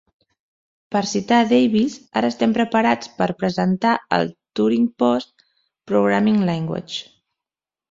Per citar Davis: ara estem preparats per presentar el Turing-Post Programming Language.